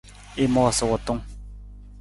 I moosa wutung.